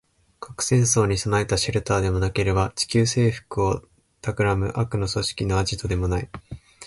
核戦争に備えたシェルターでもなければ、地球制服を企む悪の組織のアジトでもない